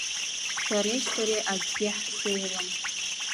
Шәареи сареи акгьы ҳзеилам.